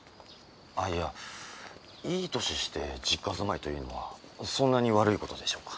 あいやいい年して実家住まいというのはそんなに悪いことでしょうか？